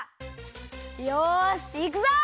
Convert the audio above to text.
よしいくぞ！